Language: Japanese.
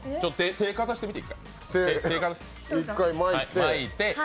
手かざしてみて。